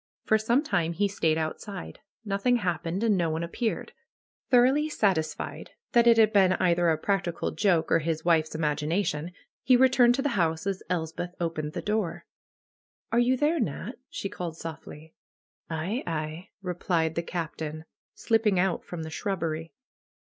For some time he stayed outside. Nothing happened and no one appeared. Thoroughly satisfied that it had been either a practical joke, or his wife's imagination, he returned to the house as Elspeth opened the door. ^^Are you there, Nat?'' she called softly. ^^Aye, aye," replied the Captain, slipping out from the shrubbery.